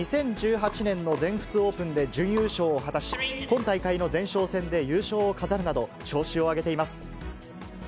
２０１８年の全仏オープンで準優勝を果たし、今大会の前哨戦で優勝を飾るなど、調子を上げています。